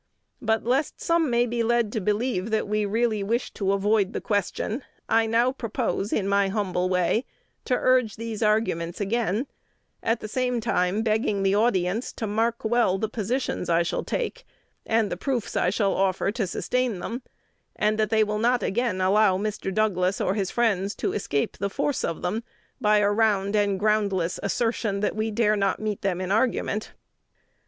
But lest some may be led to believe that we really wish to avoid the question, I now propose, in my humble way, to urge these arguments again; at the same time begging the audience to mark well the positions I shall take, and the proofs I shall offer to sustain them, and that they will not again allow Mr. Douglas or his friends to escape the force of them by a round and groundless assertion that we dare not meet them in argument.